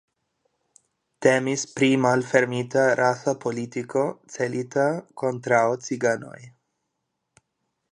Temis pri malfermita rasa politiko celita kontraŭ ciganoj.